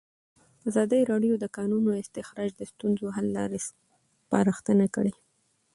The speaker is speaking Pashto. ازادي راډیو د د کانونو استخراج د ستونزو حل لارې سپارښتنې کړي.